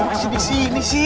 masih di sini sih